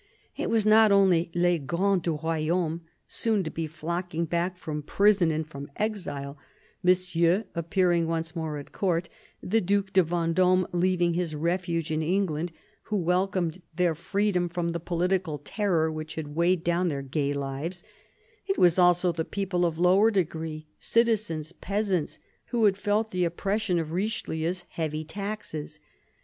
It was not only " les grands du royaume," soon to be flock ing back from prison and from exile, Monsieur, appearing once more at Court, the Due de Vendome, leaving his refuge in England, who welcomed their freedom from the political terror which had weighed down their gay lives ; it was also the people of lower degree, citizens, peasants, who had felt the oppression of Richelieu's heavy taxes.